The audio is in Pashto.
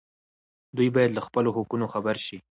دوی باید له خپلو حقونو خبر شي.